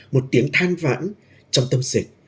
một tiếng than vãn trong tâm dịch